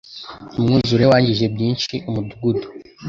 Umwuzure wangije byinshi umudugudu.